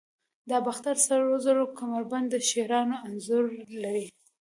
د باختر سرو زرو کمربند د شیرانو انځور لري